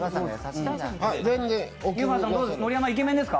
盛山イケメンですか？